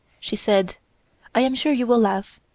She said: "I am sure you will laugh.